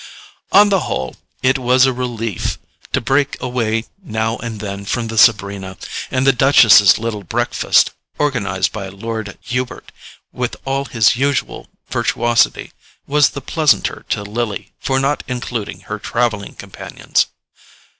On the whole, it was a relief to break away now and then from the Sabrina; and the Duchess's little breakfast, organized by Lord Hubert with all his usual virtuosity, was the pleasanter to Lily for not including her travelling companions.